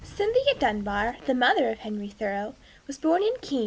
Cynthia Dunbar, the mother of Henry Thoreau, was born in Keene, N.